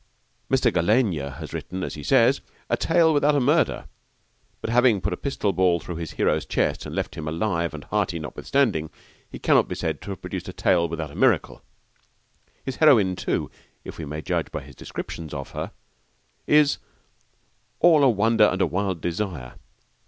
Mr. Gallenga has written, as he says, 'a tale without a murder,' but having put a pistol ball through his hero's chest and left him alive and hearty notwithstanding, he cannot be said to have produced a tale without a miracle. His heroine, too, if we may judge by his descriptions of her, is 'all a wonder and a wild desire.'